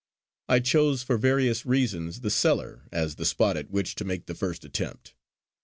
I chose for various reasons the cellar as the spot at which to make the first attempt.